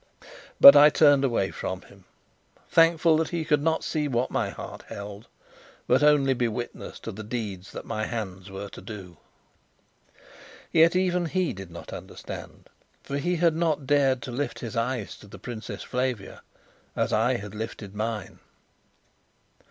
But I turned away from him, thankful that he could not see what my heart held, but only be witness to the deeds that my hands were to do. Yet even he did not understand, for he had not dared to lift his eyes to the Princess Flavia, as I had lifted mine.